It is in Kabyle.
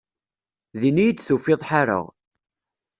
Din iyi-d tufiḍ ḥareɣ.